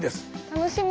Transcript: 楽しみ！